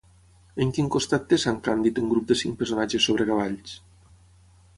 En quin costat té sant Càndid un grup de cinc personatges sobre cavalls?